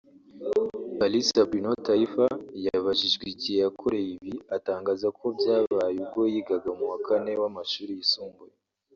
Kalisa Bruno Taifa yabajijwe igihe yakoreye ibi atangaza ko byabaye ubwo yigaga mu wa kane w’amashuri yisumbuye